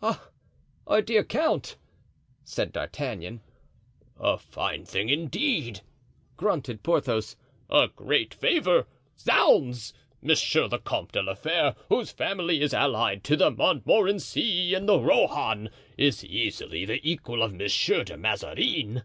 "Ah! our dear count!" said D'Artagnan. "A fine thing, indeed!" grunted Porthos. "A great favor! Zounds! Monsieur the Comte de la Fere, whose family is allied to the Montmorency and the Rohan, is easily the equal of Monsieur de Mazarin."